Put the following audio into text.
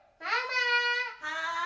はい。